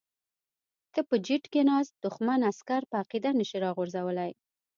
ته په جیټ کې ناست دښمن عسکر په عقیده نشې راغورځولی.